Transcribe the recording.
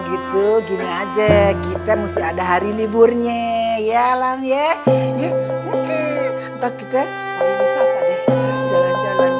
gitu gini aja kita musti ada hari liburnya ya alam ya ya mungkin tak kita wisata deh jalan jalan